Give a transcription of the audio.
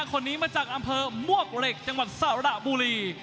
คนนี้มาจากอำเภอมวกเหล็กจังหวัดสระบุรี